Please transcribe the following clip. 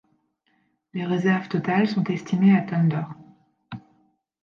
Les réserves totales sont estimées à tonnes d'or.